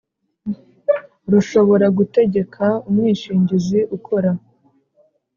rushobora gutegeka umwishingizi ukora